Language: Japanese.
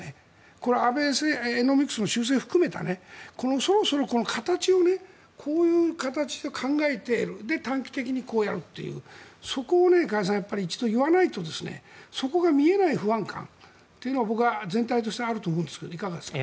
これはアベノミクスの修正を含めたそろそろ形をこういう形を考えている短期的にこうやるというそこを加谷さん、一度言わないとそこが見えない不安感というのが僕は全体としてあると思うんですが、いかがですか？